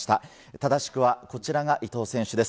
正しくはこちらが伊藤選手です。